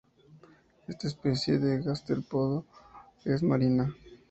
Esta especie de gasterópodo es marina.